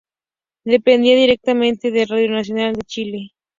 Dependía directamente de Radio Nacional de Chile.